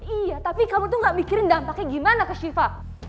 iya tapi kamu tuh gak mikirin dampaknya gimana ke shiva